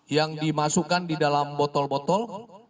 yang dimasukkan di dalam botol botol